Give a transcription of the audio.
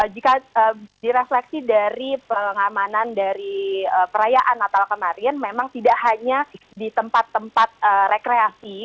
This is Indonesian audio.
jika direfleksi dari pengamanan dari perayaan natal kemarin memang tidak hanya di tempat tempat rekreasi